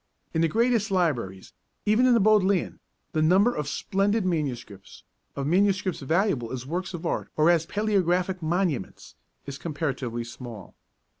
In the greatest libraries even in the Bodleian the number of splendid manuscripts of manuscripts valuable as works of art or as palæographic monuments is comparatively small.